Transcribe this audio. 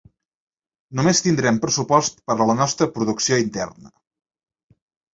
Només tindrem pressupost per a la nostra producció interna.